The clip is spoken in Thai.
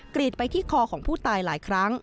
รีดไปที่คอของผู้ตายหลายครั้ง